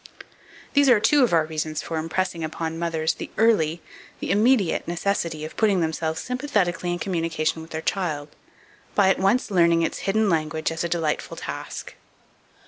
These are two of our reasons for impressing upon mothers the early, the immediate necessity of putting themselves sympathetically in communication with their child, by at once learning its hidden language as a delightful task.